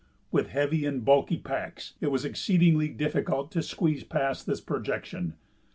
With heavy and bulky packs it was exceedingly difficult to squeeze past this projection.